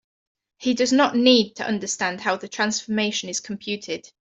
He does not need to understand how the transformation is computed.